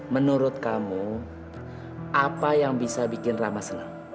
menurut kamu apa yang bisa bikin rama senang